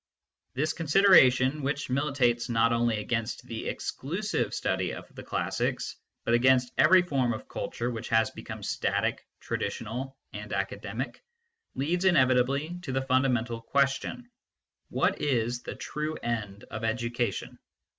This consideration, which militates not only against the exclusive study of the classics, but against every form of culture which has become static, traditional, and academic, leads inevitably to the fundamental ques tion : What is the true end of education